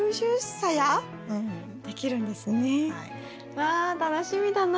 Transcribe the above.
わ楽しみだな。